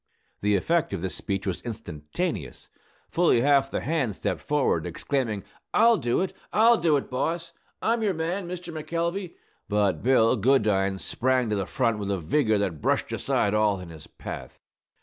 The effect of this speech was instantaneous. Fully half the hands stepped forward, exclaiming, "I'll do it! I'll do it, boss! I'm your man, Mr. McElvey!" But Bill Goodine sprang to the front with a vigor that brushed aside all in his path.